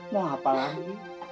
mau apa lagi